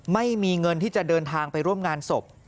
ไม่มีเงินที่จะเดินทางไปร่วมงานศพ